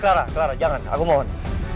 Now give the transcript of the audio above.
kelara kelara jangan aku mohon